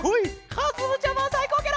かずむちゃまさいこうケロ！